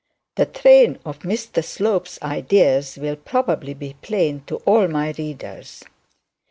The train of Mr Slope's ideas will probably be plain to all my readers.